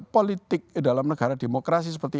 politik dalam negara demokrasi seperti